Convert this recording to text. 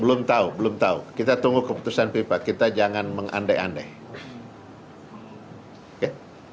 belum tahu belum tahu kita tunggu keputusan fifa kita jangan mengandai andai